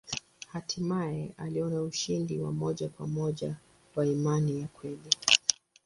Hatimaye aliona ushindi wa moja kwa moja wa imani ya kweli.